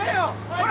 ほら！